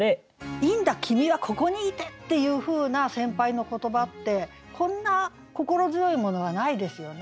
いいんだ君はここにいてっていうふうな先輩の言葉ってこんな心強いものはないですよね。